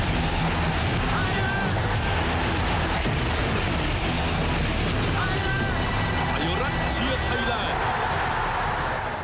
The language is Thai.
ไทยรัฐเชียร์ไทยแลนด์